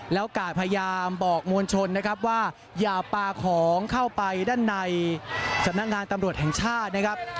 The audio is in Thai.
แล้วกะพยายามบอกมวลชนว่าอย่าปลาของเข้าไปด้านในสำนักงานตำรวจแห่งชาติ